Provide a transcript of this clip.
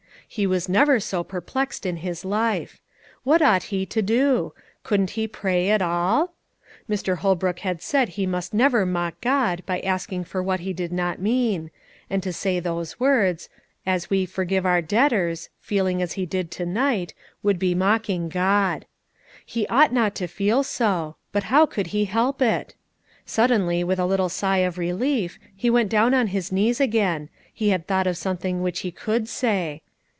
He was never so perplexed in his life. What ought he to do? Couldn't he pray at all? Mr. Holbrook had said he must never mock God by asking for what he did not mean, and to say those words, "as we forgive our debtors," feeling as he did to night, would be mocking God. He ought not to feel so, but how could he help it? Suddenly, with a little sigh of relief, he went down on his knees again: he had thought of something which he could say.